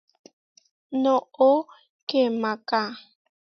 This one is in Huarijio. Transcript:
¡Noʼó kemaká!